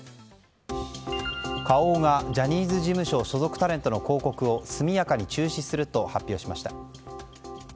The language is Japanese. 花王がジャニーズ事務所所属タレントの広告を速やかに中止すると発表しました。